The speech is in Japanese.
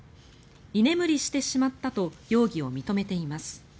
居眠りしてしまったと容疑を認めています。